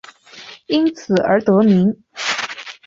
因此而得名。